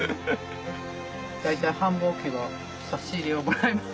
大体繁忙期は差し入れをもらいます。